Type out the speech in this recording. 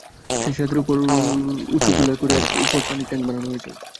সেই ছাদের ওপর উঁচু পিলার করে এর ওপর পানির ট্যাংক বানানো হয়েছিল।